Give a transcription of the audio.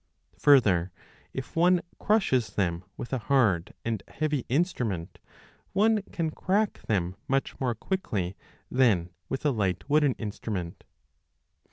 1 Further, if one crushes them with a hard and heavy instrument, one can crack them 35 much more quickly than with a light wooden instrument.